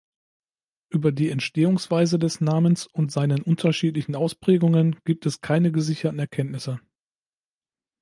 Über die Entstehungsweise des Namens und seinen unterschiedlichen Ausprägungen gibt es keine gesicherten Erkenntnisse.